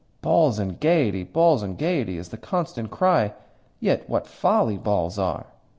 'Balls and gaiety, balls and gaiety' is the constant cry. Yet what folly balls are!